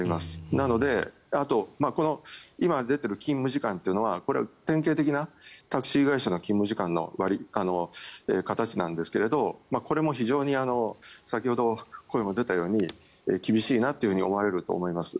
なので、今出ている勤務時間というのはこれは典型的なタクシー会社の勤務時間の形ですがこれも非常に先ほど声も出たように厳しいなと思われると思います。